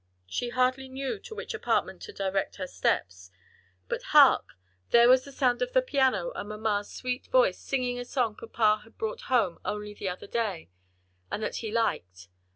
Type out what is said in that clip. She hardly knew to which apartment to direct her steps, but "Hark! there was the sound of the piano and mamma's sweet voice singing a song papa had brought home only the other day, and that he liked.